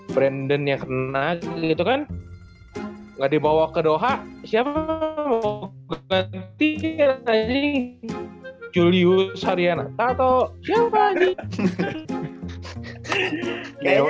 brandon yang kena gitu kan nggak dibawa ke doha siapa mau ketik juliuz harian atau siapa nih